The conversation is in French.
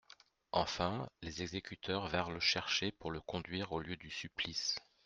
Enfin, les exécuteurs vinrent le chercher pour le conduire au lieu du supplice.